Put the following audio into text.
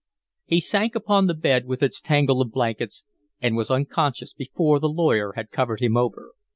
He sank upon the bed with its tangle of blankets and was unconscious before the lawyer had covered him over.